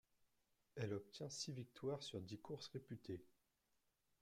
Elle obtient six victoires sur dix courses disputées.